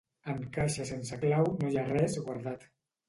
En caixa sense clau no hi ha res guardat.